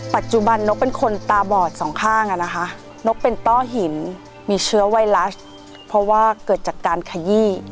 ปัจจุบันนกเป็นคนตาบอดสองข้างอ่ะนะคะนกเป็นต้อหินมีเชื้อไวรัสเพราะว่าเกิดจากการขยี้